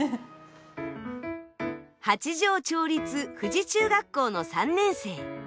八丈町立富士中学校の３年生。